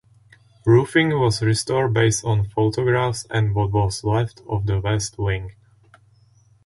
Roofing was restored based on photographs and what was left of the west wing.